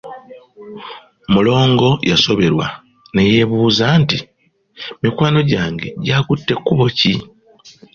Mulongo yasoberwa ne yeebuuza nti, mikwano gyange gyakutte kkubo ki?